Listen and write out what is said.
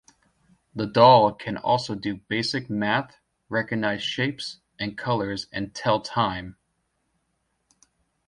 The doll can also do basic math, recognize shapes and colors, and tell time.